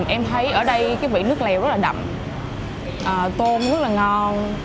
em thấy ở đây cái vị nước lèo rất là đậm tôm rất là ngon